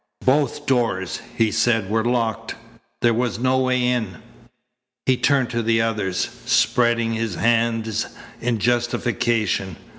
"Both doors," he said, "were locked. There was no way in " He turned to the others, spreading his hands in justification.